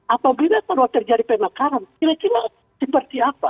apabila terjadi penekanan kira kira seperti apa